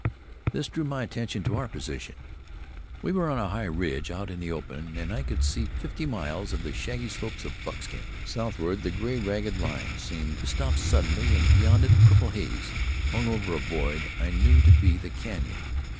This drew my attention to our position. We were on a high ridge out in the open, and I could see fifty miles of the shaggy slopes of Buckskin. Southward the gray, ragged line seemed to stop suddenly, and beyond it purple haze hung over a void I knew to be the canyon.